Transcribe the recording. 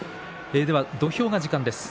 土俵が時間です。